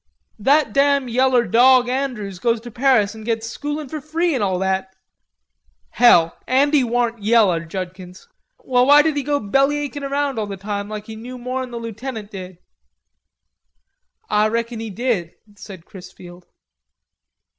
"That damn yellar dawg Andrews goes to Paris an' gets schoolin' free an' all that." "Hell, Andy waren't yellar, Judkins." "Well, why did he go bellyachin' around all the time like he knew more'n the lootenant did?" "Ah reckon he did," said Chrisfield.